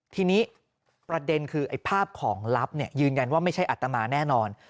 ทีนี้ประเด็นคือไอ้ภาพของลับยืนยันว่าไม่ใช่อัตมาแน่นอน